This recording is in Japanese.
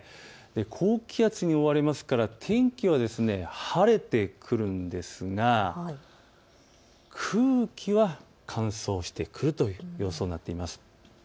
高気圧に覆われますから天気は晴れてくるんですが空気は乾燥してくるという予想になっています。